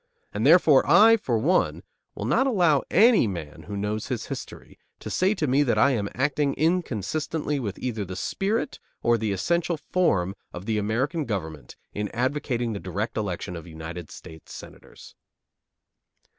And therefore I, for one, will not allow any man who knows his history to say to me that I am acting inconsistently with either the spirit or the essential form of the American government in advocating the direct election of United States Senators.